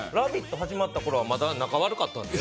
始まったころはまだ仲悪かったんです。